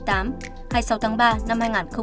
hai mươi sáu tháng ba năm hai nghìn hai mươi